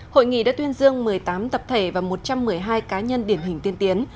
hội nghị đã tuyên dương một mươi tám tập thể và một trăm một mươi hai cá nhân điển hình tiên tiến